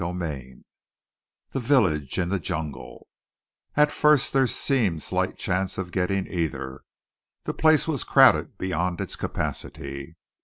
CHAPTER VI THE VILLAGE IN THE JUNGLE At first there seemed slight chance of getting either. The place was crowded beyond its capacity.